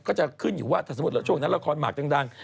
ก็จะขึ้นอยู่ว่าถ้าสมมุติช่วงนั้นละครหมากดัง